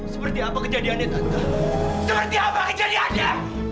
seperti apa kejadiannya